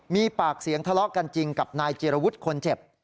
มีปากเสียงทะเลาะกันจริงกับนายจิรวุฒิคนเจ็บ